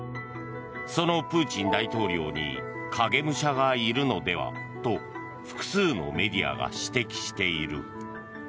そのプーチン大統領に影武者がいるのでは？と複数のメディアが指摘している。